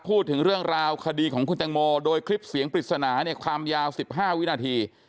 พูดถึงเรื่องราวคดีของคุณแตงโมโดยคลิปเสียงปริศนาเนี่ยความยาว๑๕วินาที